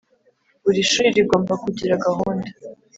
Buri shuri rigomba kugira gahunda